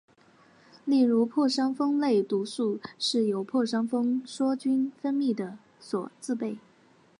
例如破伤风类毒素是由破伤风梭菌分泌的所制备。